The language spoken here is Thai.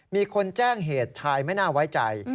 มีคนแจ้งเหตุชายไม่น่าไว้ใจ